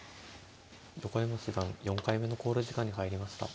横山七段４回目の考慮時間に入りました。